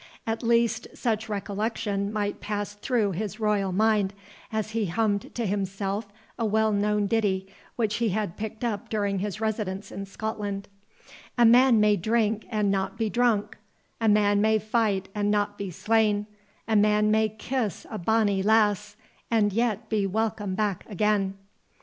At least, such recollection might pass through his royal mind, as he hummed to himself a well known ditty, which he had picked up during his residence in Scotland— "A man may drink and not be drunk; A man may fight and not be slain; A man may kiss a bonnie lass, And yet be welcome back again."